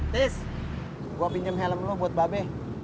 tis gua pinjam helm lu buat babe